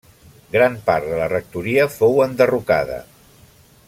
Gran part de la rectoria fou enderrocada.